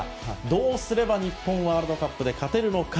どうすれば日本ワールドカップで勝てるのか。